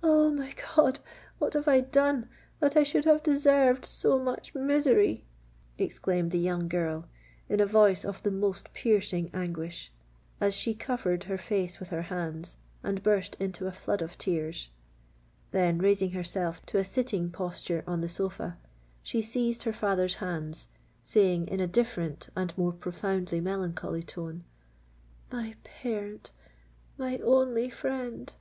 "Oh! my God—what have I done, that I should have deserved so much misery!" exclaimed the young girl, in a voice of the most piercing anguish, as she covered her face with her hands and burst into a flood of tears:—then, raising herself to a sitting posture on the sofa, she seized her father's hands, saying in a different and more profoundly melancholy tone, "My parent—my only friend!